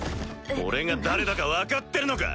俺が誰だか分かってるのか？